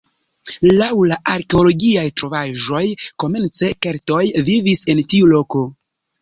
Laŭ la arkeologiaj trovaĵoj komence keltoj vivis en tiu loko.